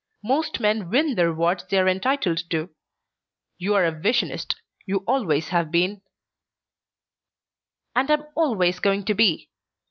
Most men win the rewards they are entitled to. You're a visionist. You always have been " "And am always going to be!